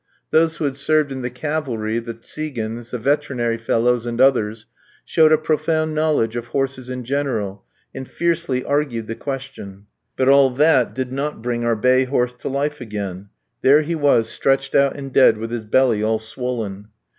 Those who had served in the cavalry, the Tsigans, the veterinary fellows, and others, showed a profound knowledge of horses in general and fiercely argued the question; but all that did not bring our bay horse to life again; there he was stretched out and dead, with his belly all swollen.